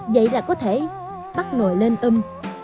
vậy là có thể bắt nồi lên ưm